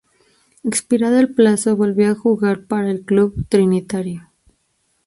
Expirado el plazo volvió a jugar para el club trinitario.